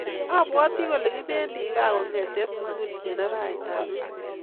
Abwati kole kipendi kaa kongete sukul eng arawet ab lok